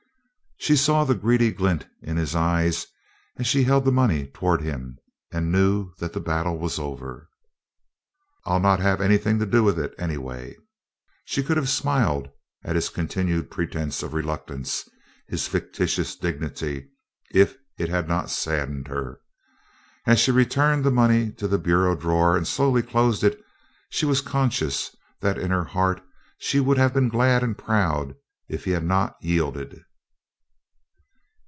She saw the greedy glint in his eyes as she held the money toward him, and knew that the battle was over. "I'll not have anything to do with it, anyway." She could have smiled at his continued pretence of reluctance, his fictitious dignity, if it had not saddened her. As she returned the money to the bureau drawer and slowly closed it she was conscious that in her heart she would have been glad and proud if he had not yielded.